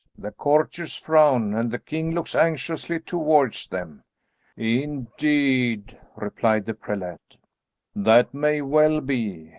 The courtiers frown, and the king looks anxiously towards them." "Indeed," replied the prelate, "that may well be.